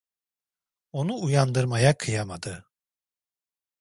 Onu uyandırmaya kıyamadı.